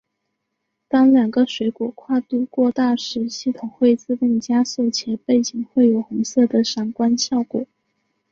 当两个水果跨度过大时系统会自动加速且背景会有红色的闪光效果。